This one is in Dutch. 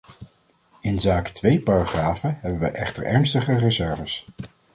Inzake twee paragrafen hebben wij echter ernstige reserves.